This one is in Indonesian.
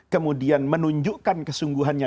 kemudian menunjukkan kesungguhannya